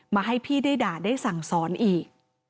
มาให้พี่ได้ด่าได้สั่งสอนอีก